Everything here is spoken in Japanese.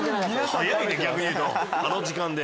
早いね逆に言うとあの時間で。